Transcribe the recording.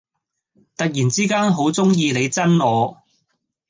突然之間很喜歡你恨我